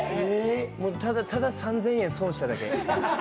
ただ３０００円損しただけ。